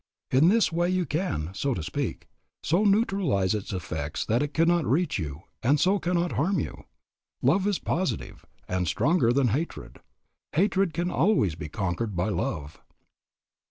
In this way you can, so to speak, so neutralize its effects that it cannot reach you and so cannot harm you. Love is positive, and stronger than hatred. Hatred can always be conquered by love.